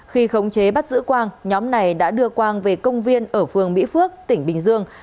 khi khống chế bắt giữ quang nhóm này đã đưa quang về công viên ở phường mỹ phước tỉnh bình dương